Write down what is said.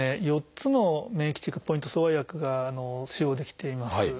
４つの免疫チェックポイント阻害薬が使用できています。